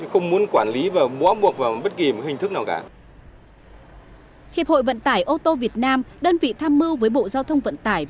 hiệp hội vận tải ô tô việt nam đơn vị tham mưu với bộ giao thông vận tải